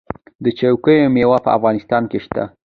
د چیکو میوه په افغانستان کې شته؟